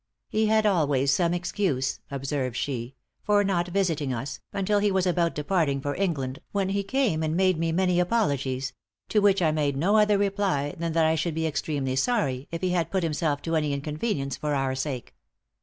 "He had always some excuse," observes she "for not visiting us, until he was about departing for England, when he came and made me many apologies; to which I made no other reply than that I should be extremely sorry if he had put himself to any inconvenience for our sake."